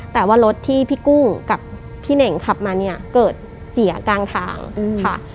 แต่ว่ารถที่พี่กุ้งกับพี่เน่งขับมาเนี่ยเกิดเสียกลางทางค่ะ